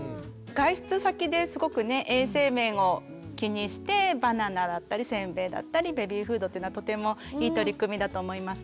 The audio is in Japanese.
外出先ですごくね衛生面を気にしてバナナだったりせんべいだったりベビーフードっていうのはとてもいい取り組みだと思いますね。